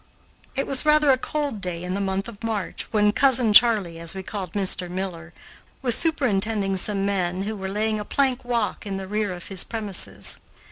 It was rather a cold day in the month of March, when "Cousin Charley," as we called Mr. Miller, was superintending some men who were laying a plank walk in the rear of his premises.